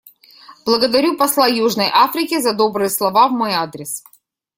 Благодарю посла Южной Африке за добрые слова в мой адрес.